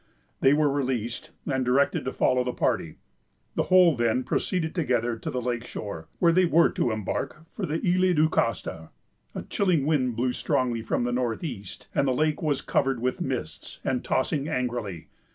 They were released, and directed to follow the party. The whole then proceeded together to the lake shore, where they were to embark for the Isles du Castor. A chilling wind blew strongly from the north east, and the lake was covered with mists, and tossing angrily.